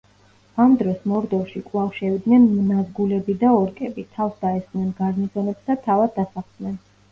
ამ დროს მორდორში კვლავ შევიდნენ ნაზგულები და ორკები, თავს დაესხნენ გარნიზონებს და თავად დასახლდნენ.